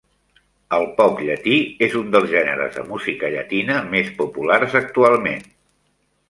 El pop llatí és un dels gèneres de música llatina més populars actualment.